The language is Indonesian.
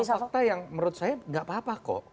ada fakta yang menurut saya nggak apa apa kok